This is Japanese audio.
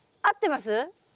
合ってます？